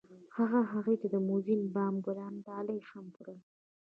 هغه هغې ته د موزون بام ګلان ډالۍ هم کړل.